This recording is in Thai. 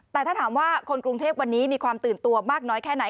แต่ถ้าถามว่าคนกรุงเทพวันนี้มีความตื่นตัวมากน้อยแค่ไหน